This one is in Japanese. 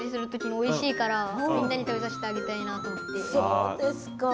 そうですか。